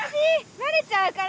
バレちゃうから。